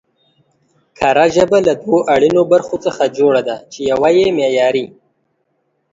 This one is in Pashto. کره ژبه له دوو اړينو برخو څخه جوړه ده، چې يوه يې معياري